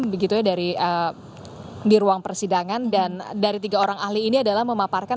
begitu ya dari di ruang persidangan dan dari tiga orang ahli ini adalah memaparkan